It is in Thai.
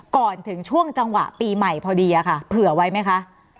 ก่อนถึงช่วงจังหวะปีใหม่พอดีอะค่ะเผื่อไว้ไหมคะ